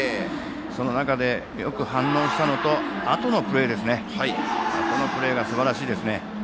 その中でよく反応したのとあとのプレーがすばらしいですね。